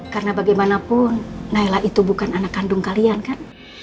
karena bagaimanapun nailah itu bukan anak kandung kalian kan